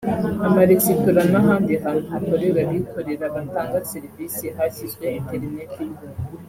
amaresitora n’ahandi hantu hakorera abikorera batanga serivisi hashyizwe internet y’ubuntu